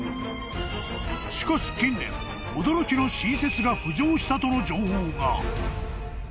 ［しかし近年驚きの新説が浮上したとの情報が］